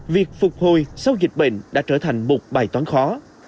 việc phục hồi sau dịch bệnh đã trở thành một bài toán khó